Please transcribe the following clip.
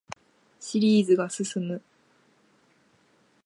シリーズが進む